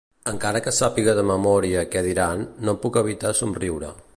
Encara que sàpiga de memòria què diran, no puc evitar somriure.